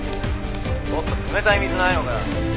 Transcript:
もっと冷たい水ないのかよ？」